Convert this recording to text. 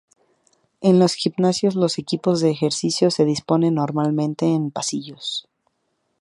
En los gimnasios, los equipos de ejercicio se disponen normalmente en pasillos.